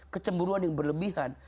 kecemburuan yang berlebihan